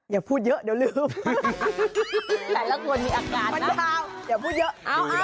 อย่าพูดเยอะเดี๋ยวลืม